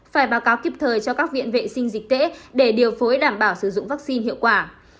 phải báo cáo kịp thời cho các viện vệ sinh dịch tễ để điều phối đảm bảo sử dụng vaccine hiệu quả